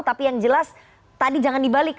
tapi yang jelas tadi jangan dibalik